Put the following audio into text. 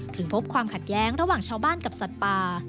พบความขัดแย้งระหว่างชาวบ้านกับสัตว์ป่า